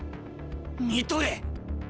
見とれ。